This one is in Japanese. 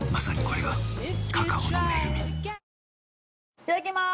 いただきまーす！